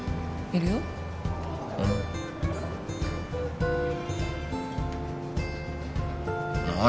うん。何。